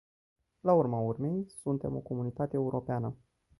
La urma urmei, suntem o comunitate europeană.